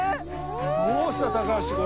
どうした高橋これ。